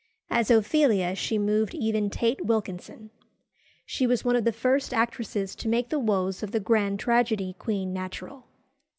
As Ophelia she moved even Tate Wilkinson. She was one of the first actresses to make the woes of the grand tragedy queen natural.